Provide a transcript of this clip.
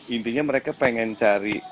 intinya mereka pengen cari